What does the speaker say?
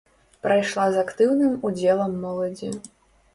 Прайшла з актыўным удзелам моладзі.